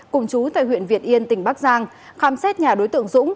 cùng chú tại huyện việt yên tỉnh bắc giang khám xét nhà đối tượng dũng